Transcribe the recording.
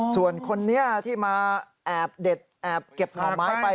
ส่วนคนนี้ที่มาแอบเด็ดแอบเก็บหน่อไม้ไป